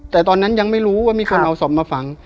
แต่ตอนนั้นยังไม่รู้ว่ามีคนเอาศพมาฝัง